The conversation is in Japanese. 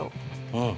うん。